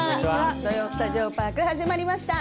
「土曜スタジオパーク」始まりました。